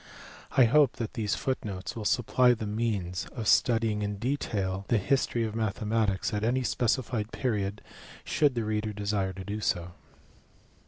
I hope that these footnotes will supply the means of studying in detail the history of mathematics at any specified period should the reader desire to do so.